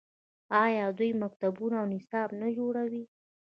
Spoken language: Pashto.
آیا دوی مکتبونه او نصاب نه جوړوي؟